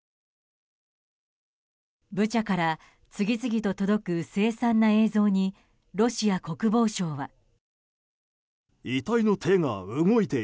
ブチャから次々と届く凄惨な映像にロシア国防省は。